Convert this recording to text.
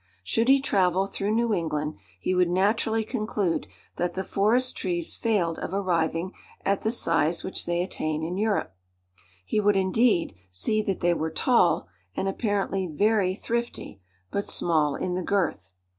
Should he travel through New England he would naturally conclude that the forest trees failed of arriving at the size which they attain in Europe. He would, indeed, see that they were tall, and apparently very thrifty, but small in the girth.